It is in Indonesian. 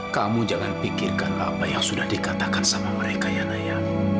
kamu jangan pikirkan apa yang sudah dikatakan sama mereka ya naya